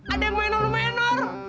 ada yang menor menor